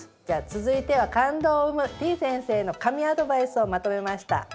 じゃあ続いては感動を生むてぃ先生の神アドバイスをまとめました。